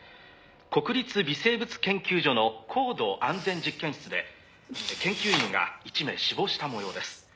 「国立微生物研究所の高度安全実験室で研究員が１名死亡した模様です」